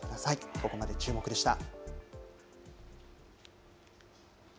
ここまでチューモク！でした。